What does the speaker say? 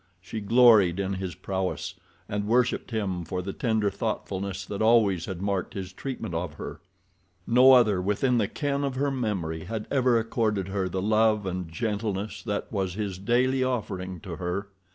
She gloried in his prowess and worshipped him for the tender thoughtfulness that always had marked his treatment of her. No other within the ken of her memory had ever accorded her the love and gentleness that was his daily offering to her.